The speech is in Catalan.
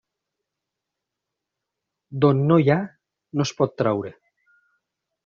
D'on no hi ha, no es pot traure.